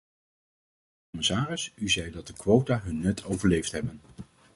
Commissaris, u zei dat de quota hun nut overleefd hebben.